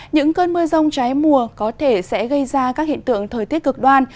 những cơn mưa rông trái mùa có thể sẽ gây ra các hiện tượng thời tiết cực đoan